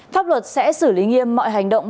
pháp luật sẽ xử lý nghiêm mọi hành động